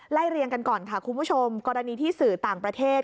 เรียงกันก่อนค่ะคุณผู้ชมกรณีที่สื่อต่างประเทศ